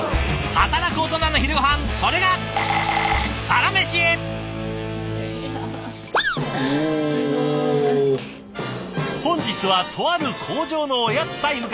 働くオトナの昼ごはんそれが本日はとある工場のおやつタイムから。